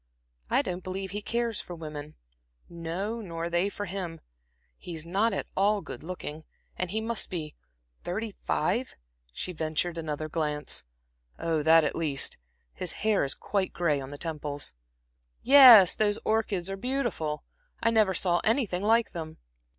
I don't believe he cares for women no, nor they for him. He's not at all good looking, and he must be thirty five" she ventured another glance. "Oh, that, at least. His hair is quite gray on the temples. 'Yes, those orchids are beautiful. I never saw anything like them.'